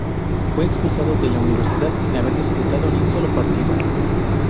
Fue expulsado de la universidad sin haber disputado ni un solo partido.